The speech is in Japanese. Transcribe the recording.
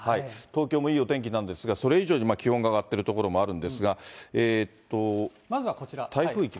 東京もいいお天気なんですが、それ以上に気温が上がってる所もあまずはこちら。